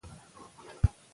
ده ویل، ځکه سیکولر ؤ.